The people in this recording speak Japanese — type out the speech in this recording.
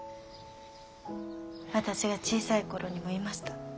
私が小さい頃にもいました。